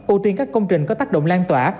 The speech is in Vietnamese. ưu tiên các công trình có tác động lan tỏa